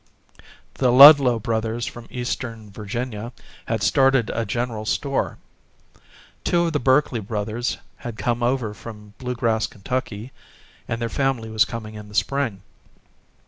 The Ludlow brothers, from Eastern Virginia, had started a general store. Two of the Berkley brothers had come over from Bluegrass Kentucky and their family was coming in the spring.